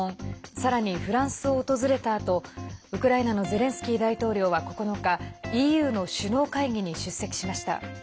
さらにフランスを訪れたあとウクライナのゼレンスキー大統領は９日ＥＵの首脳会議に出席しました。